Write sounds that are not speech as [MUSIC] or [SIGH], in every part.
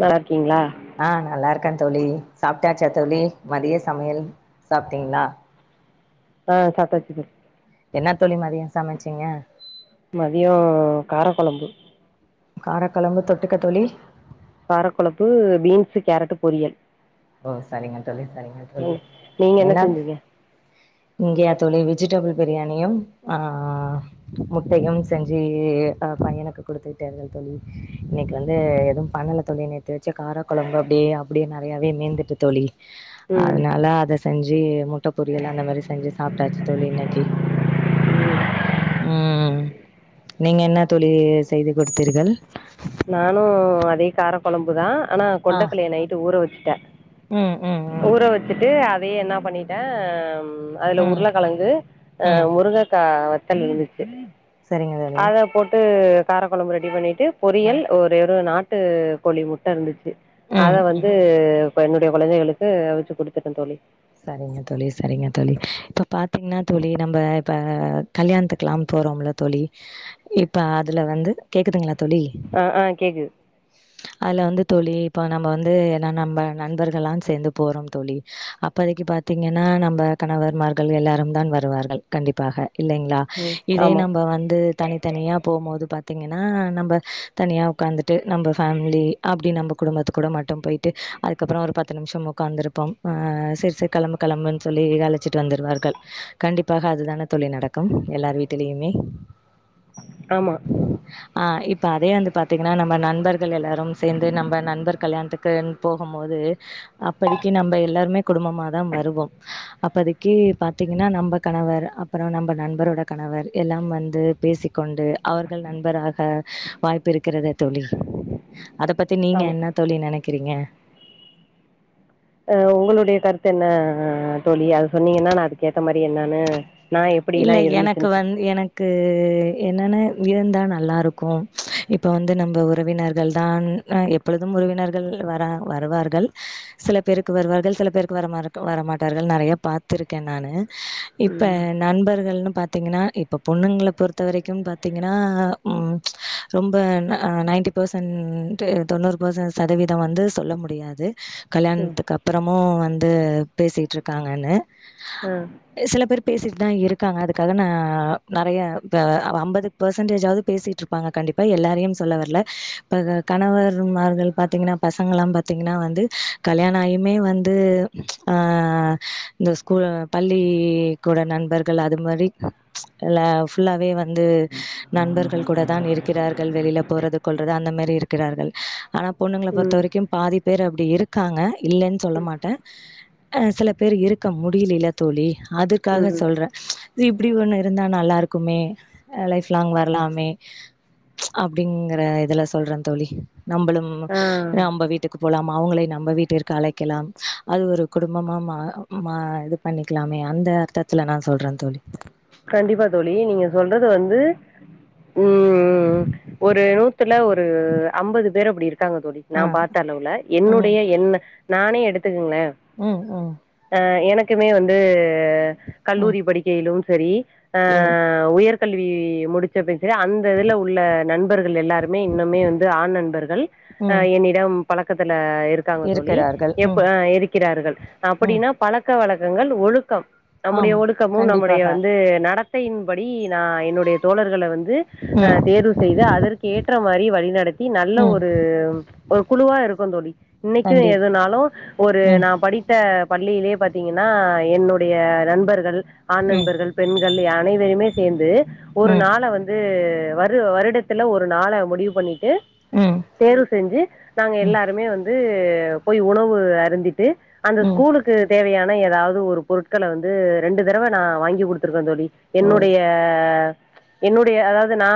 நல்லாருக்கிங்ளா ஆ நல்லா இருக்கே தோழி சாப்டாச்சா தோழி மதிய சமையல் சாப்டிங்ளா ஆ சாப்டாச்சி தோ என்ன தோழி மதிய சமச்சிங்க மதியோ காரக்கொழம்பு காரக்கழம்பு தொட்டுக்கத்தோழி காரக்கொழம்பு பீன்ஸ் கேரட்டு பொரியல் ஓ சரிங்க தோழி சரிங்க தோழி ம் நீங்க என்ன செஞ்சீங்க இங்கியா தோழி வெஜிடபிள் பிரியாணியும் ஆ முட்டையும் செஞ்சு அ பையனுக்கு குடுத்துவிட்டேன் தோழி இன்னைக்கி வந்து எதுவு பண்ணல தோழி நேத்து வச்ச கார கொழம்பு அப்டியே அப்டியே நெறையாவே மீந்துட்டு தோழி ம் அதனால அத செஞ்சு முட்டை பொரியல் அந்த மாரி செஞ்சு சாப்பிட்டாச்சு தோழி இன்னைக்கி ம் நீங்க என்ன தோழி செய்து கொடுத்தீர்கள் நானு அதே கார கொழம்புதா ஆனா ஆ கொண்டக்கலைய நைட்டு ஊற வச்சுட்டே ம் ம் ம் ஊற வச்சுட்டு அதையே என்ன பண்ணிட்டே அதுல ம் உருளைக்கெழங்கு ம் முருங்கைக்கா வத்தல் இருந்துச்சு சரிங்க தோழி அதப் போட்டு காரக்கொழம்பு ரெடி பண்ணிட்டு பொரியல் ஒரே ஒரு நாட்டு கோழி முட்ட இருந்துச்சு அத ம் ம் வந்து என்னுடைய குழந்தைகளுக்கு அவுச்சி குடுத்துட்டே தோழி சரிங்க தோழி சரிங்க தோழி இப்ப பாத்தீங்கன்னா தோழி நம்ம இப்ப கல்யாணத்துக்கெல்லா போறோம்ல தோழி இப்ப அதுல வந்து கேக்குதுங்ளா தோழி ஆ ஆ கேக்து [INAUDIBLE] அதுல வந்து தோழி இப்ப நம்ப வந்து நா நம்ப நண்பர்கள்ல்லா சேர்ந்து போறோ தோழி இப்போதிக்கு பார்த்தீங்ன்னா நம்ம கணவர்மார்கள் எல்லாரும் தா வருவார்கள் கண்டிப்பாக இல்லைங்ளா ம் இதே ஆமா நம்ப வந்து தனித்தனியா போபோது பாத்தீங்ன்னா நம்ப தனியா உக்காந்துட்டு நம்ப ஃபேமிலி அப்டி நம்ப குடும்பத்து கூட மட்டு போய்ட்டு அதுக்கப்றோ ஒரு பத்து நிமிஷம் உடக்காந்துருப்போம் ஆ செ ரி கிளம்பு கிளம்புனு சொல்லி அழச்சிட்டு வந்தடுவார்கள் கண்டிப்பாக அதுதா தோழி நடக்கு எல்லார் வீட் லயுமே ஆமா ஆ இப்ப அதே வந்து பாத்தீங்ன்னா நம்ம நண்பர்கள் எல்லாரும் சேர்ந்து நம்ப நண்பர் கல்யாணத்க் குனு போகுபோது அப்பதிக்கு நம்ப எல்லாருமே குடும்பமாதா வருவோம் அப்பதிக்கு பாத்தீங்கன்னா நம்ப கணவர் அப்றோ நம்ப நண்பரோட கணவர் எல்லா வந்து பேசி கொண்டு அவர்கள் நண்பராக வாய்ப்பு இருக்கறது தோழி அத பத் தி நீங்க ஆமா என்ன தோழி நெனைக்கிறீங்க அ உங்களுடைய கருத்து என்ன ஆ தோழி அது சொன்னீங்கன்னா நா அதுக்கு ஏத்த மாதிரி என்னான்னு இல்ல எனக்கு வந்து எனக் கு என்னென்ன இருந்தா நல்லாருக்கும் இப்போ வந்து நம்ப உறவினர்கள் தான் அ எ ப்பொழுதும் உறவினர்கள் வரா வருவார்கள் சில பேருக்கு வருவார்கள் சில பேருக்கு வர வரமாட்டார்கள் நிறைய பாத் திருக்கே நானு இப்ப ம் நண்பர்கள்னு பாத்தீங்ன்னா இப்ப பொண்ணுங்கல பொறுத்த வரைக்கு பாத்தீங்ன்னா ம் ரொம்ப அ நைன்டி பர்சன்ட் தொண்ணூறு பர்சன்ட் சதவீதம் வந்து சொல்ல முடியாது ம் கல்யாணத்துக்கு அப்றோமு வந்து பேசிட்டு இருக்காங்கன்னு ஆ சில பேர் பேசிட் தா இருக்காங்க அதுக்காக நா ஆ நெறைய இப்ப அம்பது பர்சன்டேஜ் ஆவது பேசிட்டு இருப் பாங்க கண்டிப்பா எல்லாரையும் சொல்ல வரல ப கணவர்மார்கள் பாத்தீங்கன்னா பசங்களா பாத் தீங்கன்னா வந்து கல்யாண ஆயுமே வந்து ஆ ஆ இந்த கூ பள்ளி கூட நண்பர்கள் அது மாரி இல்ல ஃபுல்லாவே வந்து நண்பர்கள் கூட தான் இருக்கிறார்கள் வெளியில போறது கொல்றது அந்த மெரி இருக்கிறார்கள் ஆனா பொண்ணுங்கள பொறுத்த ம் வரைக்கும் பாதி பேர் அப்டி இருக் க்காங்க இல்லன்னு சொல்ல மாட்டே சில பேர் இருக்க முடியில்லல தோழி அதுக் காக ம் சொல்றே இது இப்டி ஒண்ணு இருந்தா நல்லா இருக்குமே லைஃப் லாங் வரலாமே அப்டிங்கற இதுல சொல்றன் தோழி நம்பளும் ஆ நம்ப வீட்டுக்கு போலாமா அவுங்ளை நம்ப வீட்டிற்கு அழைக்கலாம் அது ஒரு குடும்பமா மா மா இது பண்ணிக்லாமே அந்த அர்த்தத்ல நா சொல்ற தோழி கண்டிப்பா தோழி நீங்க சொல்றது வந்து ம் ஒரு நூத்துல ஒரு அம்பது பேரு அப்டி இருக்காங்க தோழி நா ஆ பாத்த அளவுல ம் என்னுடைய என்ன நானே எடுத்துகேங்ளே ம் ம் அ எனக்குமே வந்து ம் கல்லூரி படிக்கையிலும் செரி அ ம் உயர்க்கல்வி முடிச் சாச் அந்த இதுல உள்ள நண்பர்கள் எல்லாருமே இன்னுமே வந்து ஆண் நண்பர்கள் அ ம் என்னி டம் பழக்கத்துல இருக்காங்க தோழி இருக்கிறார்கள். எப் ம் ஆ இருக்கிறார்கள் ம் அப்புடின்னா பழக் க்க வழக்கங்கள் ஒழுக்கம் நம்முடைய ஆம் ஒழுக்கமும் நம்ம கண்டிப்பாக. நடத்தையின்படி நா என்னுடைய தோழர்கள வந்து அ ம் தேர்வு செய்து அதற்கு ஏற்ற மாரி வழிநடத்தி நல்ல ம் ஒரு ஒரு குழுவா இருக்கோம் தோழி இன்னைக்கும் கண்டிப் எதுனாலும் ஒரு ம் நா படிப் த்த பள்ளியிலே பாத்தீங்கன்னா என்னுடைய நண்பர்கள் ஆண் ம் நண்பர்கள் பெண்கள் அனைவருமே சேந்து ஒரு ம் நாள வந்து து வரு வருடத்துல ஒரு நாள முடிவு பண்ணிட்டு ம் தேர்வு செஞ்சு நாங்க ம் எல்லாருமே வந்து போய் உணவு அருந்திட்டு அந்த ம் ஸ்கூலுக் தேவையான ஏதாவது ஒரு பொருட்கள வந்து ரெண்டு தடவ நா வாங்கி குடுத்துருக்கேன் தோழி ஓ என்னுடைய என்னுடைய அதாவது நா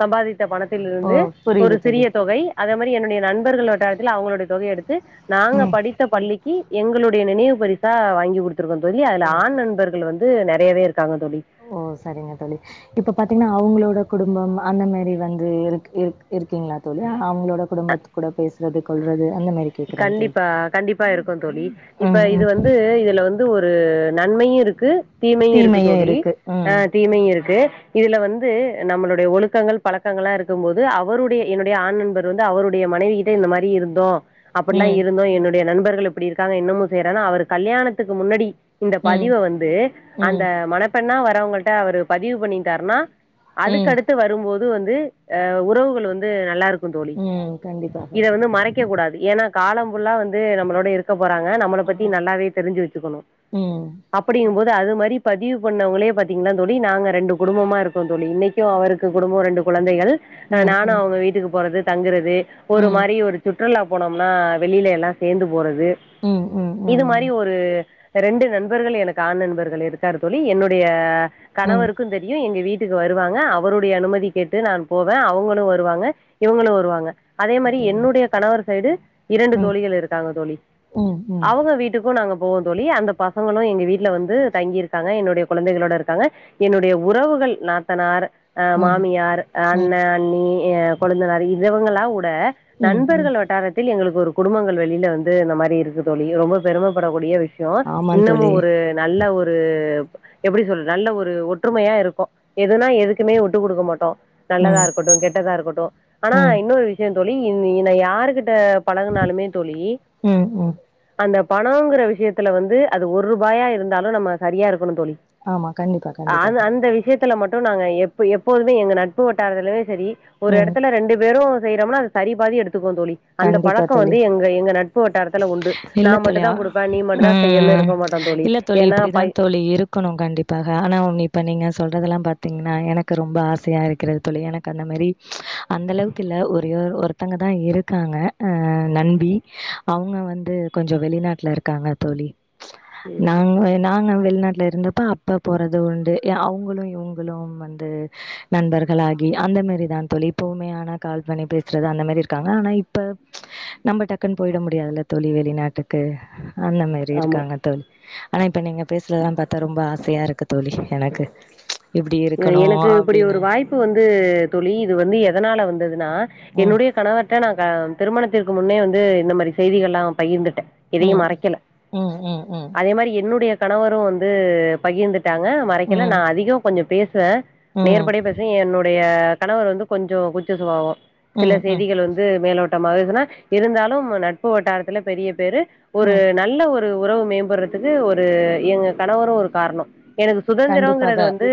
சம்பாதிச் ச பணத்தில் ஓ இருந்து ஒரு புரியுது தோழி சிறிய தொகை அதே மாரி என்னுடைய நண்பர்கள் வட்டாரத்தில் அவுங்களுடைய தொகய எடுத்து நாங்க ம் படித்த பள்ளிக்கி எங்களுடைய நினைவு பரிசா வாங்கி குடுத்துருக்கோம் தோழி அதுல ஓ ஆண் நண்பர்கள் வந் து நெறயவே இருக்காங்க தோழி ம் சரிங்க தோழி இப்ப பாத்தீங்ன்னா அவுங்களோட குடும்பம் அந்த மாரி வந்து இருக் இருக் இருக்கீங்களா தோழி அவுங்களோட குடும்பத்து கூட பேசுறது கொல்றது அந்த மாரி கேக்குறேங்க தோழி கண்டிப்பா கண்டிப்பா இருக்கும் தோழி இப்ப ம் இது ம் வந்து இதுல வந் து ஒரு நன்மையும் இருக்கு தீமையும் இருக்கு தீமையு தோழி அ ம் தீமையும் இருக்கு இதுல வந்து நம்மளுடைய ஒழுக்கங்கள் பழக்கங்கள்லா இருக்கும் போது அவருடைய என்னுடைய ஆண் நண்பர் வந்து அவருடைய மனைவி கிட்ட இந்த மாரி இருந்தோம் அப்ட்ல்லாம் ம் இருந்தோம் என்னுடைய நண்பர்கள் இப்டி இருக்காங்க இன்னமு செய்றாங்க அவர் கல்யாணத்துக்கு முன்னடி இந்த ம் பதிவ வந்து அந்த ம் மணப்பெண்ணா வர்றவங்கள்ட்ட அவரு பதிவு பண்ணிட்டாருன்னா ம் அதுக்கடுத்து வரும்போது வந்து அ உறவுகள் வந்து நல்லா இருக்கும் க்கும் தோழி ம் கண்டிப்பாக இத வந்து மறைக்க கூடாது ஏனா காலம் ஃபுல்லா வந்து நம்மளோட இருக் க போறாங்க நம்மள ஆ பத்தி நல்லாவே தெரிஞ்சு வச்சுகணும் ம் க அப்படிங்கும்போது அது மாரி பதிவு பண்ணவுங்களே பாத்தீங்கன்னா தோழி நாங்க ரெண்டு குடும்பமா இருக்கோம் தோழி இன்னை கும் அவருக்கு குடும்பம் ரெண்டு கொழந்தைகள் ம் நானும் ம் அவுங்க வீட்டுக்கு போறது தங்குறது ஒரு ம் மாரி ஒரு சுற்றுலா போனோம்னா வெளில எல்லா சேந்து போறது ம் ம் இது மாரி ம் ஒரு ரெண்டு நண்பர்கள் எனக்கு ஆண் நண்பர்கள் இருக்காரு தோழி என்னுடைய ம் கணவருக்கும் தெரியும் எங்க வீட் டுக்கு வருவாங்க அவருடைய அனுமதி கேட்டு நான் போவன் அவங்களும் வருவாங்க இவுங்களும் வருவாங்க அதே மாரி ஓ என்னுடைய கணவர் சைடு இரண்டு ம் தோழிகள் இருக்காங்க தோழி ம் ம் அவுங்க வீட்டுக்கும் நாங்க போவோம் தோழி அந்த பசங்களும் எங்க வீட்ல வந்து தங்கிருக்காங்க என்னுடய கொழந்தைகளோட இருக்காங்க என்னுடைய உறவுகள் நாத்தனார் அ ம் மாமியார் அ அண்ண ம் அண்ணி அ கொழுந்தனாரு இவுங்களாவுட ம் ம் நண்பர்கள் வட்டாரத்தில் எங்களுக்கு ஒரு குடும்பங்கள் வெளில வந்து இந்த மாரி இருக்கு தோழி ரொம்ப பெருமபடக்கூடிய விஷ யம் ஆமா தோழி இன்னமும் ஒரு நல்ல ஒரு எப்டி சொல்ற நல்ல ஒரு ஒற்றுமையா இருக்கோம் எதுன்னா எதுக்குமே வுட்டு குடுக்க மாட்டோம் நல்லதா ம் இருக்கட்டும் கெட்டதா இருக்கட்டும் ஆனா ம் இன்னொரு விஷயம் தோழி என யாரு கிட்ட பழகுனாலுமே தோழி ம் ம் அந்த பணங்கிற விஷயத்துல வந்து அது ஒரு ரூபாயா இருந்தாலு நம்ம சரியா இருக்கணு தோழி ஆமா கண்டிப்பா அ கண்டிப்பாக அந்த விஷயத் துல மட்டும் நாங்க எப் எப்போதுமே எங்க நட்பு வட்டாரதுலயே சரி ஒரு ம் இடத்துல ரெண்டு பேரும் செய்றோம்னா அது சரி பாதி எடுத்துக்கு தோழி அந்த கண்டிப்பா பழக்கோ தோழி வந்து எங்க எங்க நட்பு வட்டாரத்துல உண்டு நா இல்ல மட்டு தோழி தா ஆ குடுப்பே நீ மட்டு தா செய்யுன்னு ம் இருக்க மாட்டோ தோழி இல்ல தோழி ஏன்னா இப்புடிதா பை தா தோழி இருக் க்கணு கண்டிப்பாக ஆனா ஒன்னு இப்ப நீங்க சொல்றதலா பாத்தீங்கன்னா எனக்கு ரொம்ப ஆசையா இருக்கிறது தோழி எனக்கு அந்த மாரி அந்த அளவுக்கு இல்ல ஒரே ஒருத்தங்க தா இருக் இருக்காங்க அ நன்பி அவுங்க வந்து கொஞ்சோ வெளிநாட்டுல இருக்காங்க தோழி நாங்க நாங்க வெளிநாட்டுல இருந்தப்ப இப்ப போறது உண்டு எ அவுங்களு இவுங்களு வந்து நண்பர்களாகி அந்த மாரிதா தோழி எப்பவுமே ஆன கால் பண்ணி பேசுறது அந்த மாரி இருக்காங்க ஆனா இப் இப்ப நம்ம டக்குன்னு போயிட முடியாதுல்ல தோழி வெளிநாட்டுக்கு அந்த மாரி ஆமா இருக்காங்க தோழி ஆனா இப்ப நீங்க பேசுறதல்லா பாத்தா ரொம்ப ஆசையா இருக்கு தோழி எனக்கு இப்டி இருக்கணு அப்டின்னு ப்பு வந்து தோழி இது வந்து எதனால வந்ததுன்னா ம் என்னுடைய கணவர் த்த நாங்க திருமணத்திற்கு முன்னே வந்து இந்த மாரி செய்திகல்லா பகிர்ந்துட்டே எதையு ம் மறைக்கல ம் ம் ம் அதே மாதிரி என்னுடைய கணவரு வந்து பகிர்ந்துட்டாங்க மறைக்கல ம் நா அதிகோ கொஞ்ச பேசுவே ம் நேர்படிய பேஸ் து என்னுடைய கணவர் வந்து கொஞ்சோ கூச்ச சுபாவோ சில ம் ம் செய்திகள் வந்து இது மேலோட்டமாகுதுன்னா இருந்தாலு நட்பு வட்டாரத்துல பெரிய பேரு ஒரு ம். நல்ல ஒரு ஒரு உறவு மேம்படுறதுக்கு ஒரு எங்க கணவரு ஒரு காரணோ எனக்கு கண்டிப்பாக. சுதந்திரோங்கிறது வந்து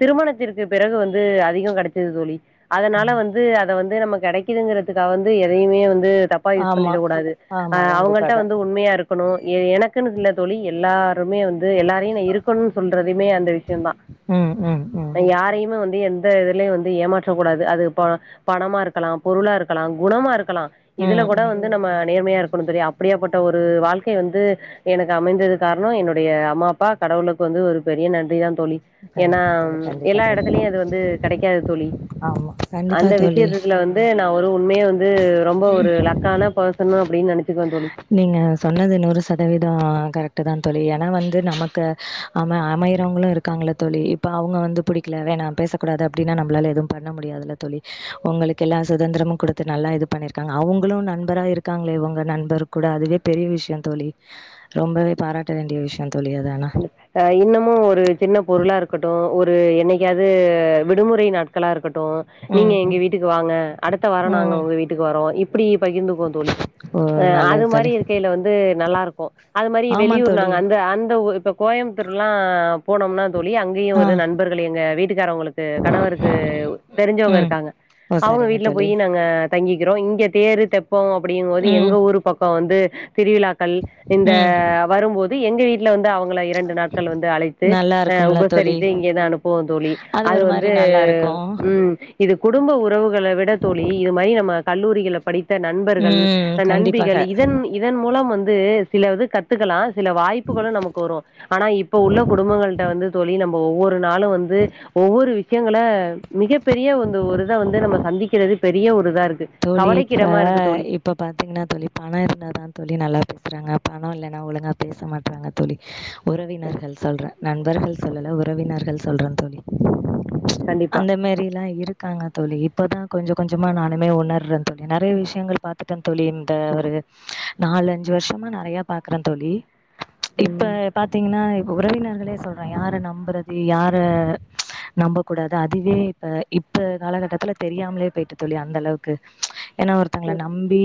திருமணத்திற்கு பிறகு வந்து அதிகோ கெடைச்சுது தோழி அதுனால ம். வந்து அத வந்து நம்ம கெடைக்குதுங்கிறதுக்காக வந்து எதையுமே வந்து தப்பா யூஸ் ஆமா பண்ணிடக் கூடாது அ ஆமா அவுங்கள்ட கண்டிப்பாக வந்து உண்மையா இருக் கணு எ எனக்குன்னு இல்ல தோழி எல்லாருமே வந்து எல்லாரையு நா இருக்கணுன் சொல்றதுமே அந்த விஷ்யோந்தா ம் ம் ம் யாரையுமே வந்து எந்த இதுலயு வந்து ஏமாற்றக் கூடாது அது இப்போ பணமா இருக்கலா பொருளா இருக்கலா குணமா இருக்கலா இதுல ம் கூட ம் வந்து நம்ம நேர்மையா இருக்கணு தோழி அப் அப்புடியாப்பட்ட ஒரு வாழ்க்கை வந்து எனக்கு அமைந்தது காரணோ என்னுடைய அம்மா அப்பா கடவுளுக்கு வந்து ஒரு பெரிய நன்றி தா தோழி ஏன்னா கண்டிப்பா தோழி கண்டிப்பா எல்லா தோழி எடத்துலயு அது வந்து கெடைக்காது தோழி ஆமா கண்டிப்பா அந்த தோழி விஷயத்து இதுல வந்து து நா ஒரு உண்மைய வந்து ரொம்ப ஒரு லக்கான பர்சனு அப்புடின் நெனச்சுக்குவே தோழி நீங்க சொன்னது நூறு சதவீதோ கரெக்ட்டு தா தோழி ஏன்னா வந்து நமக்கு அம அமையுரவங்களு இருக் இருக்காங்கல்ல தோழி இப்போ அவுங்க வந்து புடிக்ல வேணா பேசக்கூடாது அப்டினா நம்மளால எதுவு பண்ண முடியாதுல தோழி உங்களுக்கு எல்லா சுதந்திரமு குடுத்து நல்லா இது பண்ணிருக்காங்க அவுங்களு நண்பரா இருக்காங்களே இவுங்க நண்பரு கூட அதுவே பெரிய விஷயோ தோழி ரொம்பவே பாராட்ட வேண்டிய விஷயோ தோழி அது ஆனா அ இன்னமு ஒரு சின்ன பொருளா இருக்கட்டு ஒரு என்னைக்காது விடுமுறை நாட்களா இருக்கட்டு நீங்க ம் எங்க ம் வீட்டுக்கு வாங்க அடுத்த வாரோ நாங்க ம் உங்க வீட்டுக்கு வரோ இப்புடி பகிர்ந்துக்குவோ தோழி ஓ அ அது நல்லது மாரி தோழி இருக்கையில வந்து நல்லா இருக்கு அது மாரி ஆமா வெளியூர் தோழி நாங்க அந்த அந்த ஒ இப்ப கோயம்புத்தூர்லா போனோம்னா தோழி அங்கையு ஆ ஒரு நண்பர்கள் எங்க வீட்டுக்காரவுங்களுக்கு கணவருக்கு தெரிஞ்சவுங்க ம் இருக்காங்க ஓ அவுங்க சரிங்க வீட்டுல தோழி போயி நாங்க தங்கிக்கிறோ இங்க தேரு தெப்போ அப்புடிங்கும்போது எங்க ம் ஊர் பக்கோ வந்து திருவிழாக் கள் இந்த ம் வரும்போது எங்க வீட்டுல வந்து அவுங்கள இரண்டு நாட்கள் வந்து அழைத்து நல்லா அ இருக்கும்ல தோழி உபசரித்து இங்கே தா அனுப்புவோ தோழி அது ஒரு மாரி வந்து நல்லா இருக்கு ம் ம் இது குடும்ப உறவுகள விட தோழி இது மாரி நம்ம கல்லூரிகளப் படித் த்த நண்பர்கள் ம் கண்டிப்பாக நண்பிகளி இதன்னி இதன் மூலம் வந்து சில இது கத்துக்கலா சில வாய்ப்புகளு நமக்கு வரு ஆ இப்போ உள்ள குடும்பங்கள்ட்ட வந்து தோழி நம்ப ஒவ்வொரு நாளு வந்து ஒவ்வொரு விஷ்யங்கள மிகப் பெரிய வந்து ஒரு இத வந்து நம்ம சந்திக்கிறது பெரிய ஒரு இதா இருக்கு தோழி இப்ப கவலைக்கிடமா இருக்கு தோழி இப் இப்ப பாத்தீங்னா தோழி பணோ இருந்தாதா தோழி நல்லாப பேசறாங்க பணோ இல்லனா ஒழுங்கா பேச மாட்றாங்கத் தோழி கண் உறவினர்கள் சொல்றே நண்பர்கள் சொல்லல உறவினர்கள் சொல்றேந் தோழி கண்டிப்பா அந்த மேரிலா இருக்காங்க தோழி இப்பதா கொஞ்ச கொஞ்சமா நானுமே ஒன் னர்றந் தோழி நெறைய விஷ்யங்கள் பாத்துட்டந் தோழி இந்த ஒரு நாலு அஞ்சு வருஷமா நெறையப் பாக்கறேந் தோழி இப்ப ம் பாத்தீங்கனா இப்ப உறவினர்களே சொல்றே யார நம்பறது யார நம்ப கூடாது அதுவே இப்ப இப்ப காலகட்டத்தல தெரியாம்லே போயிட்டு தோழி அந்தளவுக் க்கு என்ன ஒருத்தங்ள நம் பி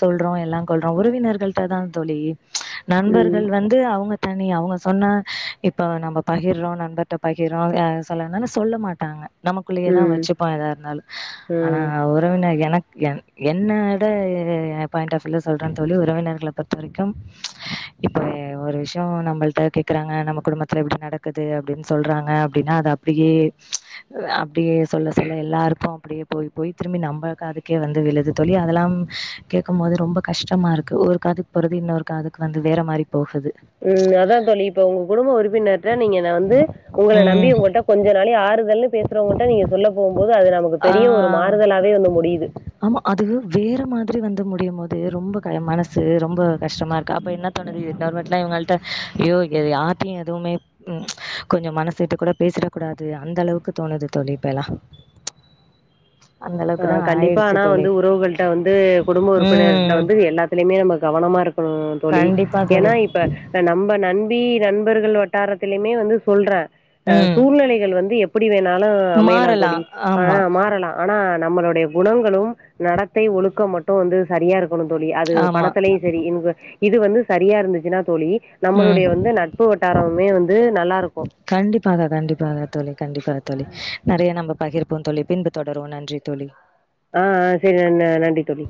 சொல்றோ எல்லாங் கொள்றோ உறவினர்கள்ட்டதா தோழி ம் நண்பர்கள் வந் து அவுங்க தனி அவுங்க சொன்ன இப்ப நம்ப பகிர்றோ நண்பர்ட்ட பகிர்ரோ அ சொல்லானால சொல்ல மாட் ட்டாங்க நமக்குள்ளியேதா ம் ம் வெச்சுப்போ எதா இருந்தாலு ஆனா உறவினய் எனக் என் என்னாட பாயிண்ட் ஆப் வியூ சொல்றேந் தோழி உறவினர்கள பொறுத்த வரைக்கும் இப்ப ஒரு விஷ்யோ நம்பள்ட்ட கேக்கறாங்க நம்ம குடும்பத்ல இப்டி நடக்குத் து அப்டின் சொல்றாங்க அப்டினா அது அப்டியே அப்டியே சொல்ல சொல்ல எல்லாருக்கு அப்டியே போய் போய் திரும்பி நம்ப காதுக்கே வந்து விழுது தோழி அதெல்லாம் கேக்கும்போது ரொம்ப கஷ்டமா இருக்கு ஒரு காது போருதி இன்னொரு காதுக்கு வந்து வேற மாரிப் போகுது ம் அதா தோழி இப்ப உங்க குடும்ப உறுப்பினர்ட்ட நீங்கன வந்து உங்கள நம்பி ம். உங்கள்ட்ட கொஞ்ச நாளே ஆறுதல்னு பேசறவங்கள்ட்ட நீங்க சொல்ல போம்போது அது நமக்குத் ஆ பெரிய ஒரு மாறுதலாவே வந்து முடியுது ஆமா அதுவே வேற மாதிரி வந்து முடியும் போது ரொம்ப கய மனசு ரொம்ப கஷ்டமா இருக்கு அப்ப என்னாத் தோணுது இன்னோர்வாட்லா இவுங்கள்ட்ட ஐயோ இத யார்ட்டியு எதுவுமேப் ம் கொஞ்சோ மனசு விட்டு கூட பேசிடக் கூடாது அந்த அளவுக்கு தோணுது தோழி இப்ப எல்லா அந்தள ஆ கண்டிப்பா ஆனா வந்து உறவுகள்ட்ட வந்து குடும்ப உறுப்பினர்ட்ட ம். வந்து எல்லாத்துலியுமே நம்ம கவனமா இருக் கனு தோழி கண்டிப்பா தோழி. எனா இப்ப இப்ப நம்ம நண்பி நண்பர்கள் வட்டாரத்துலியுமே வந்து சொல்றே அ ம். சூழ்நிலைகள் வந்து எப் ப்டி வேணாலு அமையலாந் தோழி மாறலாம். ஆனா ஆமா, மாறலா ஆனா நம்மளோடைய குணங்களும் நடத்தை ஒழுக்கம் மட்டு வந்து சரியா இருக் கனுந் தோழி அது ஆமா. பணத்தலியு சரி இன்க இது வந்து சரியா இருந்துச்சுனா தோழி ம். நம்மளுடைய வந்து நட்பு வட்டாரமுமே வந்து நல்லாருக்கு கண்டிப்பாக கண்டிப்பாக தோழி கண்டிப்பா தோழி நெறைய நம்ப பகிர்ப்போந் தோழி பின்பு தொடருவோ நன்றித் தோழி ஆ ஆ செரி நன் நன்றி தோழி